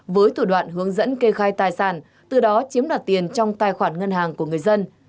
với thủ đoạn hướng dẫn kê khai tài sản từ đó chiếm đoạt tiền trong tài khoản ngân hàng của người dân